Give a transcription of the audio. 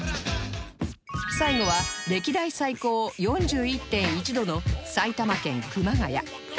最後は歴代最高 ４１．１ 度の埼玉県熊谷